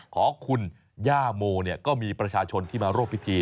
ขอขุนย่าโมเนี่ยก็มีประชาชนที่มาโรคพิธี